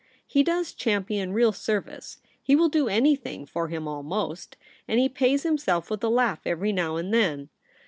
He does Champion real service ; he will do anything for him almost, and he pays himself with a laugh every now and then.